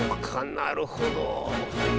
なるほど。